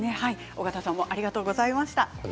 小方さんありがとうございました。